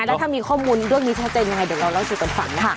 แล้วถ้ามีข้อมูลเรื่องนี้ชัดเจนยังไงเดี๋ยวเราเล่าสู่กันฟังนะคะ